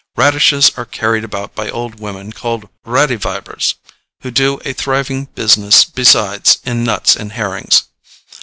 Radishes are carried about by old women called radi weibers, who do a thriving business besides in nuts and herrings.